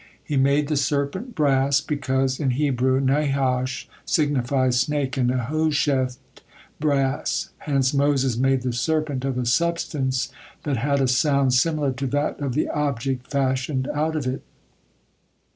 He mad the serpent brass, because in Hebrew Nahash signifies "snake" and Nehoshet, "brass"; hence Moses made the serpent of a substance that had a sound similar to that of the object fashioned out of it.